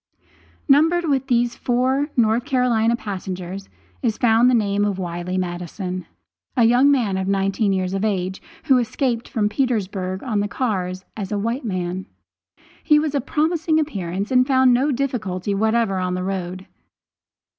Numbered with these four North Carolina passengers is found the name of Wiley Maddison, a young man nineteen years of age, who escaped from Petersburg on the cars as a white man. He was of promising appearance, and found no difficulty whatever on the road.